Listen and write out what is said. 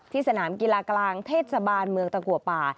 สนามกีฬากลางเทศบาลเมืองตะกัวป่า